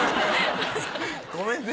ごめんね。